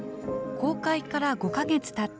公開から５か月たった